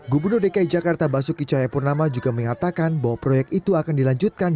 gubernur dki jakarta basuki cahayapurnama juga mengatakan bahwa proyek itu akan dilanjutkan